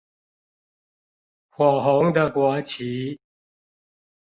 火紅的國旗